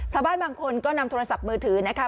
ชาวบ้านบางคนก็นำโทรศัพท์มือถือนะคะ